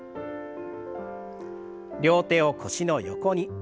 両手を腰の横に。